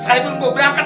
sekalipun gua berangkat